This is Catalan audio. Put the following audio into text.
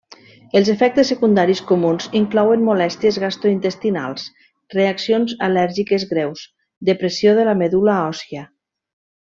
Els efectes secundaris comuns inclouen molèsties gastrointestinals, reaccions al·lèrgiques greus, depressió de la medul·la òssia.